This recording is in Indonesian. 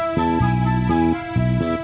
nanti gue nunggu